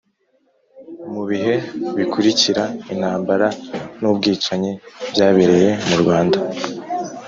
Mu bihe bikurikira intambara n’ubwicanyi byabereye mu Rwanda,